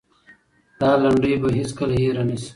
دا لنډۍ به هېڅکله هېره نه سي.